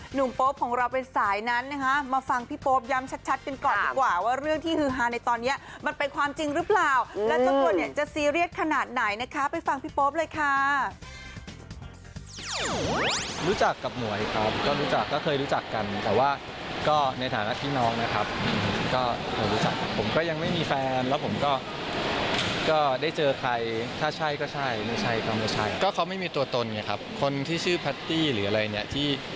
โป๊ปของเราเป็นสายนั้นนะคะมาฟังพี่โป๊ปย้ำชัดกันก่อนดีกว่าว่าเรื่องที่ฮือฮาในตอนนี้มันเป็นความจริงหรือเปล่าแล้วเจ้าตัวเนี่ยจะซีเรียสขนาดไหนนะคะไปฟังพี่โป๊ปเลยค่ะ